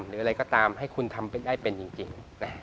หรืออะไรก็ตามให้คุณทำได้เป็นจริง